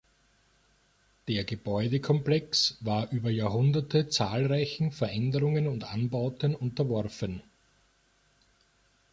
Der Gebäudekomplex war über Jahrhunderte zahlreichen Veränderungen und Anbauten unterworfen.